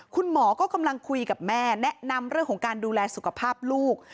คุณหมอก็กำลังคุยกับแม่แนะนำเรื่องของการดูแลสุขภาพลูก